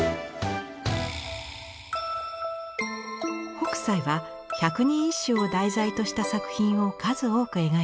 北斎は百人一首を題材とした作品を数多く描いています。